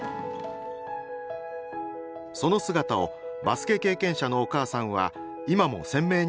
その姿をバスケ経験者のお母さんは今も鮮明に覚えています。